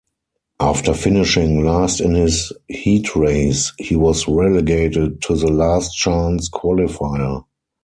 After finishing last in his heat race, he was relegated to the last-chance qualifier.